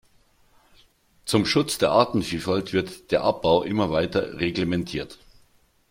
Zum Schutz der Artenvielfalt wird der Abbau immer weiter reglementiert.